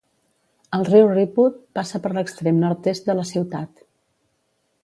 El riu Redwood passa per l'extrem nord-est de la ciutat.